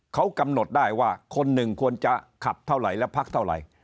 เขากำหนดได้ว่าคนหนึ่งควรจะขับเท่าไหร่และพักเท่าไหร่